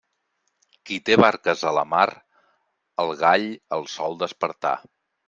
Qui té barques a la mar, el gall el sol despertar.